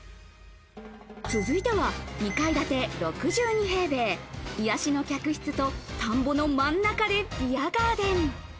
続いては２階建て６２平米、癒やしの客室と田んぼの真ん中でビアガーデン。